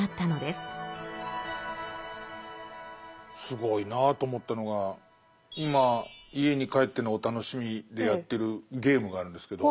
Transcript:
すごいなと思ったのが今家に帰ってのお楽しみでやってるゲームがあるんですけど。